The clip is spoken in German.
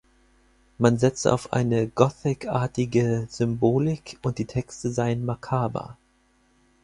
Man setze auf eine gothic-artige Symbolik und die Texte seien makaber.